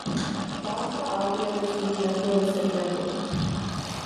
Bárbara había descubierto el secreto.